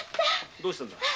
どうしたんだ？